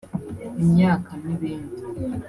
imyaka n’ ibindi